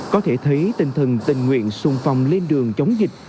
có thể thấy tinh thần tình nguyện xung phòng lên đường chống dịch